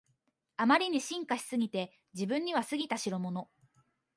あまりに進化しすぎて自分には過ぎたしろもの